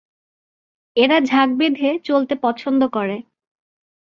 এরা ঝাঁক বেঁধে চলতে পছন্দ করে।